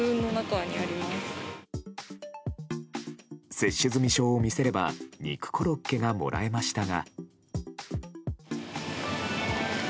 接種済証を見せれば肉コロッケがもらえましたが。